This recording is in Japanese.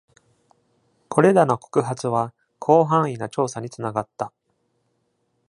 これらの告発は広範囲な調査につながった。